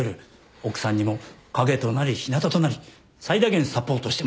奥さんにも陰となり日なたとなり最大限サポートしてもらわないとな。